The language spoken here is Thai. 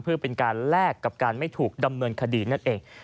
เพื่อเป็นการแลกกับการไม่ถูกดำเนินคดีนั่นเอง